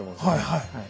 はいはい。